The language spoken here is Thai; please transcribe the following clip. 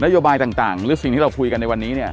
โยบายต่างหรือสิ่งที่เราคุยกันในวันนี้เนี่ย